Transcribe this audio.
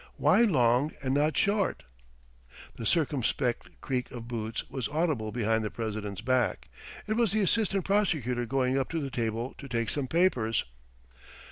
Why long and not short?" The circumspect creak of boots was audible behind the president's back. It was the assistant prosecutor going up to the table to take some papers.